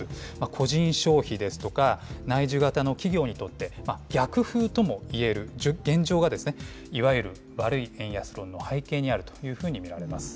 個人消費ですとか、内需型の企業にとって、逆風ともいえる現状が、いわゆる悪い円安論の背景にあると見られます。